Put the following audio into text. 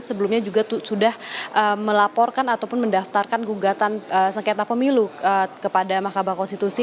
sebelumnya juga sudah melaporkan ataupun mendaftarkan gugatan sengketa pemilu kepada mahkamah konstitusi